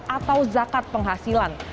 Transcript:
atau zakat penghasilan